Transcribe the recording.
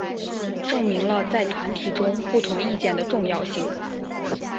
证明了在团体中不同意见的重要性。